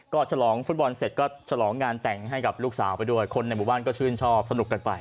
ก็ฉลองฟุตบอลเสร็จก็ฉลองงานแต่งให้กับลูกสาวไปด้วยคนในหมู่บ้านก็ชื่นชอบสนุกกันไป